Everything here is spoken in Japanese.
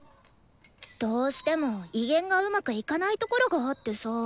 どうしても移弦がうまくいかないところがあってさ。